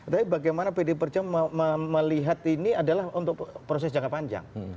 tapi bagaimana pdi perjuangan melihat ini adalah untuk proses jangka panjang